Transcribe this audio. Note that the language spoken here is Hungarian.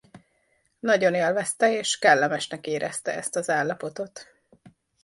Nagyon élvezte és kellemesnek érezte ezt az állapotot.